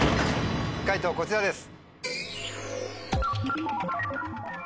解答こちらです。